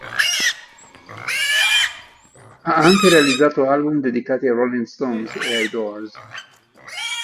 Ha anche realizzato album dedicati ai Rolling Stones e ai Doors.